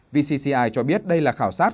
vcci cho biết đây là khảo sát